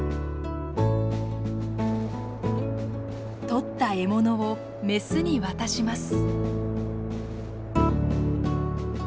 取った獲物を雌に渡します。